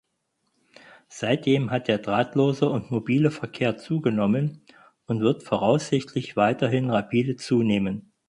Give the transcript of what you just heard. Seitdem hat der drahtlose und mobile Verkehr zugenommen und wird voraussichtlich weiterhin rapide zunehmen.